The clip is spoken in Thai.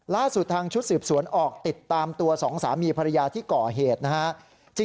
ล่าสุดทางชุดสืบสวนออกติดตามตัวสองสามีภรรยาที่ก่อเหตุนะฮะ